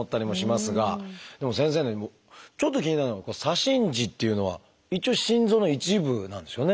でも先生ちょっと気になるのが左心耳っていうのは一応心臓の一部なんですよね？